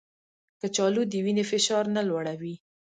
کچالو د وینې فشار نه لوړوي